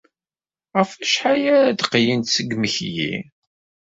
Ɣef wacḥal ara d-qqlent seg yimekli?